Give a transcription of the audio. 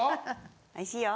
おいしいよ。